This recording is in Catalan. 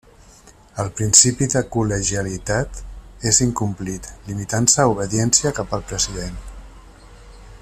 El principi de col·legialitat és incomplit, limitant-se a obediència cap al President.